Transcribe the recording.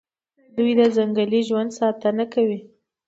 دوی د ځنګلي ژوند ساتنه کوي.